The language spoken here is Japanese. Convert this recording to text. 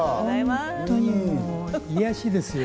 本当に癒やしですよ。